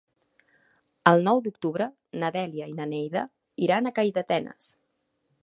El nou d'octubre na Dèlia i na Neida iran a Calldetenes.